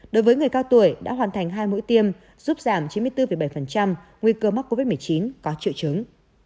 đối với người cao tuổi đã hoàn thành hai mũi tiêm giúp giảm chín mươi bốn bảy nguy cơ mắc covid một mươi chín có triệu chứng